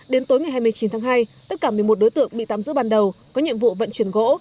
đến tối ngày hai mươi chín tháng hai tất cả một mươi một đối tượng bị tạm giữ ban đầu có nhiệm vụ vận chuyển gỗ